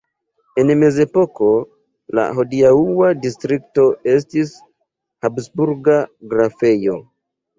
En mezepoko la hodiaŭa distrikto estis habsburga grafejo.